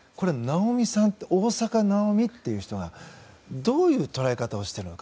ただ、大坂なおみという人はどういう捉え方をしているのか。